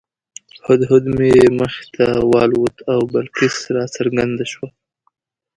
هدهد مې مخې ته والوت او بلقیس راڅرګنده شوه.